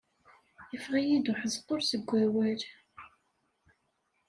Iffeɣ-iyi-d uḥezqul seg wawal!